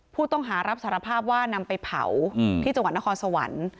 ผู้ต้องหารับสารภาพว่านำไปเผาที่จังหวัดนครสวรรค์